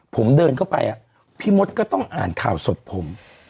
ผมเดินเข้าไปพี่มดก็ต้องอ่านข่าวศพผม